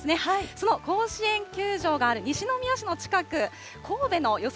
その甲子園球場がある西宮市の近く、神戸の予想